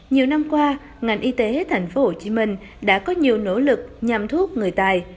nhiều năm qua ngành y tế tp hcm đã có nhiều nỗ lực nhằm thuốc người tài